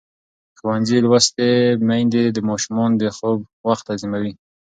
ښوونځې لوستې میندې د ماشومانو د خوب وخت تنظیموي.